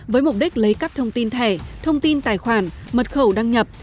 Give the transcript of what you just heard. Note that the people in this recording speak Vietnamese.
với mục đích lấy các thông tin thẻ thông tin tài khoản mật khẩu đăng nhập